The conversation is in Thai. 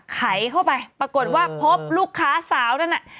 ไขเข้าไปปรากฏว่าพบลูกค้าสาวนั่นน่ะ